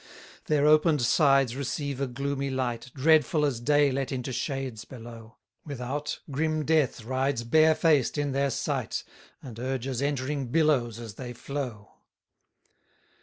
129 Their open'd sides receive a gloomy light, Dreadful as day let into shades below: Without, grim Death rides barefaced in their sight, And urges entering billows as they flow.